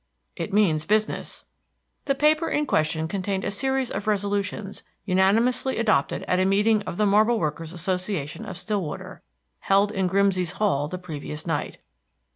"It means business." The paper in question contained a series of resolutions unanimously adopted at a meeting of the Marble Workers' Association of Stillwater, held in Grimsey's Hall the previous night.